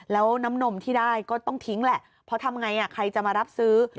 แล้วน้ำนมที่ได้ก็ต้องทิ้งแหละเพราะทำไงใครจะมารับซื้อ